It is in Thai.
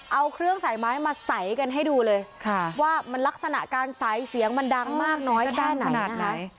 เอาเครื่องใส่ไม้มาใส่กันให้ดูเลยว่ามันลักษณะการใสเสียงมันดังมากน้อยด้านขนาดไหน